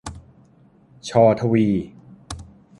ช ทวี